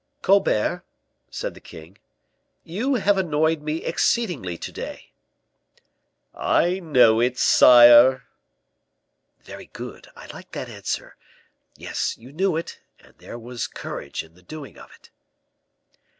"Colbert," said the king, "you have annoyed me exceedingly to day." "I know it, sire." "Very good; I like that answer. Yes, you knew it, and there was courage in the doing of it."